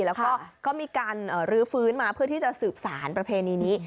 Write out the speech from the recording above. แล้วก็มีการรื้อฟื้นมาเพื่อที่จะสืบสารประเพณีนี้